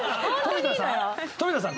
富田さん？